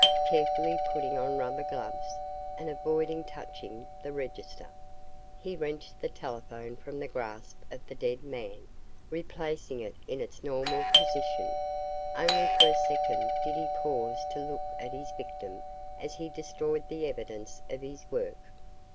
Carefully putting on rubber gloves and avoiding touching the register, he wrenched the telephone from the grasp of the dead man, replacing it in its normal position. Only for a second did he pause to look at his victim as he destroyed the evidence of his work.